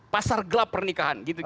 pasar gelap pernikahan